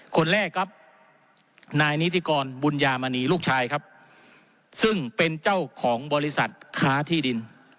คนแรกครับนายนิติกรบุญญามณีลูกชายครับซึ่งเป็นเจ้าของบริษัทค้าที่ดิน